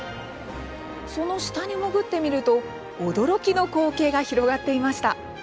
その下に潜ってみると驚きの光景が広がっていました。